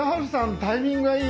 タイミングがいい！